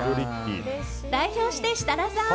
代表して、設楽さん！